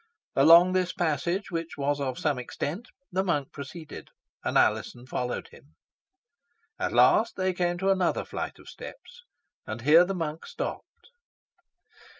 Along this passage, which was of some extent, the monk proceeded, and Alizon followed him. At last they came to another flight of steps, and here the monk stopped.